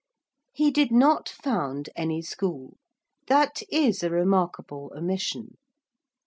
He did not found any school. That is a remarkable omission.